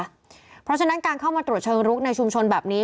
เพราะฉะนั้นการเข้ามาตรวจเชิงลุกในชุมชนแบบนี้